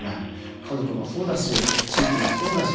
家族もそうだし地域もそうだし